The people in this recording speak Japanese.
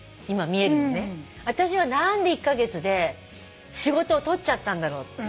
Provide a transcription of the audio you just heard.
私は何で１カ月で仕事を取っちゃったんだろう？